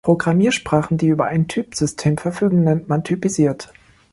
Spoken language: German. Programmiersprachen, die über ein Typsystem verfügen, nennt man "typisiert".